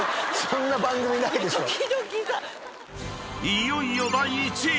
［いよいよ第１位！］